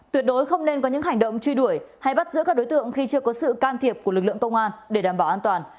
tuyệt đối không nên có những hành động truy đuổi hay bắt giữ các đối tượng khi chưa có sự can thiệp của lực lượng công an để đảm bảo an toàn